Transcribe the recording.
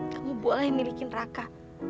kamu boleh miliki neraka